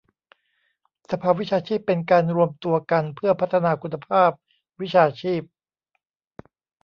สภาวิชาชีพเป็นการรวมตัวกันเพื่อพัฒนาคุณภาพวิชาชีพ